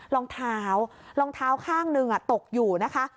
รองเท้ารองเท้าข้างหนึ่งตกอยู่นะคะ